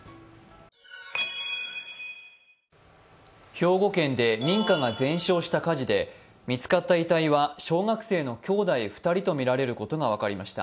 兵庫県で民家が全焼した火事で見つかった遺体は小学生のきょうだい２人とみられることが分かりました。